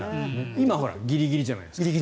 今ギリギリじゃないですか。